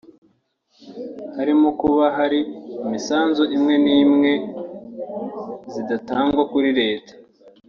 harimo no kuba hari imisanzu imwe n’imwe zidatanga kuri leta